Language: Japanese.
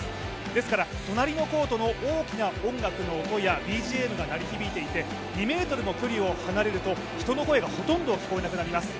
ですから、隣のコートの大きな音楽の音やＢＧＭが鳴り響いていて、２ｍの距離を離れると人の声がほとんど聞こえなくなります。